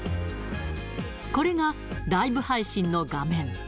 これがライブ配信の画面。